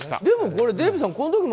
でもこれ、デーブさん